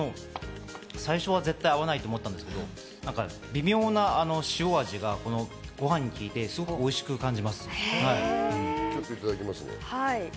最初は絶対合わないと思ったんですけど、微妙な塩味がごはんに効いて、すごくおいしく感じまちょっといただきますね。